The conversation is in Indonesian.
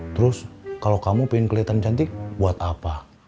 terus kalau kamu pengen keliatan cantik buat apa